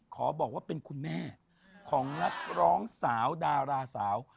ขอบอกว่าเป็นคุณแม่ของนักร้องสาวดาราสาว